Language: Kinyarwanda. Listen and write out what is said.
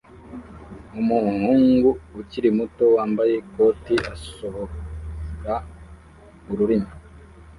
Umuhungu ukiri muto wambaye ikoti asohora ururimi